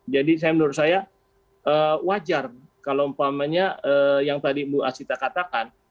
jadi menurut saya wajar kalau yang tadi bu asita katakan